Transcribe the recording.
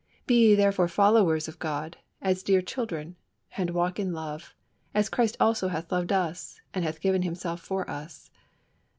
Be ye therefore followers of God, as dear children; and walk in love, as Christ also hath loved us, and hath given Himself for us" (Eph.